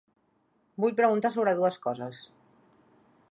Vull preguntar sobre dues coses.